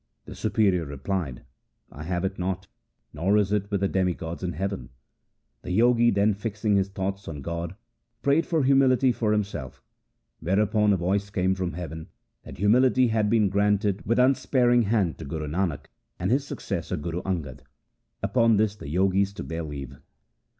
The superior replied, ' I have it not, nor is it with the demigods in heaven.' The Jogi then fixing his thoughts on God prayed for humility for himself, whereupon a voice came from heaven that humility had been granted with unspar ing hand to Guru Nanak and his successor Guru Angad. Upon this the Jogis took their leave.